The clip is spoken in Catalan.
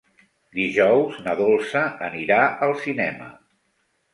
Dijous na Dolça anirà al cinema.